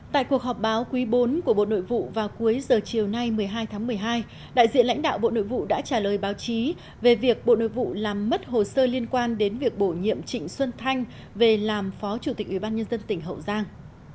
tại cuộc họp báo quý bốn của bộ nội vụ vào cuối giờ chiều nay một mươi hai tháng một mươi hai đại diện lãnh đạo bộ nội vụ đã trả lời báo chí về việc bộ nội vụ làm mất hồ sơ liên quan đến việc bổ nhiệm trịnh xuân thanh về làm phó chủ tịch ubnd tỉnh hậu giang